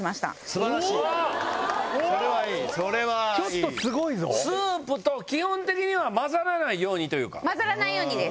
すばらしいそれはいいちょっとすごいぞスープと基本的には混ざらないようにというか混ざらないようにです